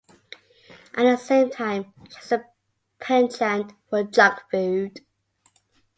At the same time, she has a penchant for junk food.